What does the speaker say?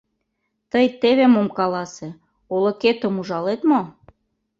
Тый теве мом каласе: олыкетым ужалет мо?